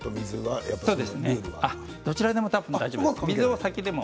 どちらでも大丈夫です。